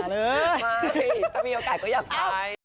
ไม่ถ้ามีโอกาสก็อยากไป